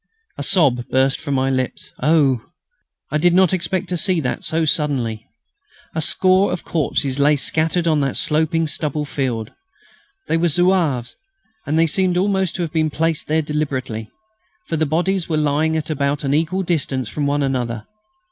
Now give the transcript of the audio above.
A sob burst from my lips. Oh! I did not expect to see that so suddenly. A score of corpses lay scattered on that sloping stubble field. They were Zouaves. They seemed almost to have been placed there deliberately, for the bodies were lying at about an equal distance from one another.